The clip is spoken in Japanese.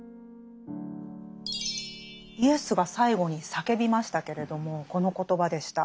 イエスが最後に叫びましたけれどもこの言葉でした。